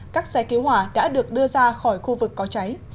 các xe cứu hỏa đã được đưa ra khỏi khu vực có cháy